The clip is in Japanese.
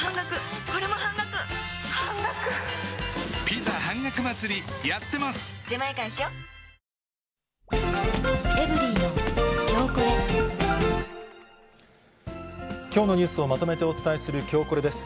民宿では、きょうのニュースをまとめてお伝えする、きょうコレです。